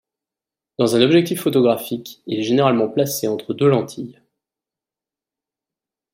Dans un objectif photographique, il est généralement placé entre deux lentilles.